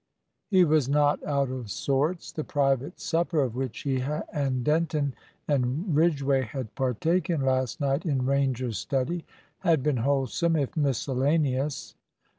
He was not out of sorts. The private supper of which he and Denton and Ridgway had partaken last night in Ranger's study had been wholesome, if miscellaneous.